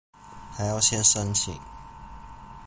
還要先申請